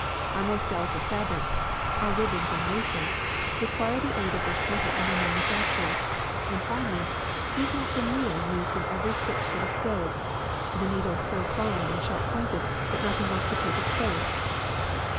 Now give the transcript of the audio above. Our most delicate fabrics, our ribbons and laces, require the aid of this metal in their manufacture ; and, finally, is not the needle used in every stitch that is sewed, the needle so fine and sharp pointed that nothing else could take its place?''